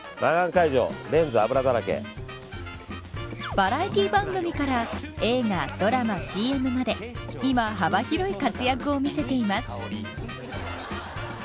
バラエティー番組から映画、ドラマ、ＣＭまで今、幅広い活躍を見せています。